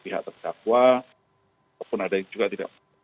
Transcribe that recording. juga kemudian bagaimana ada eksepsi yang disampaikan oleh